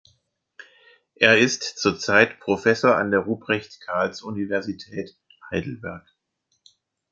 Er ist zurzeit Professor an der Ruprecht-Karls-Universität Heidelberg.